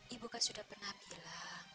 ibu kan sudah pernah bilang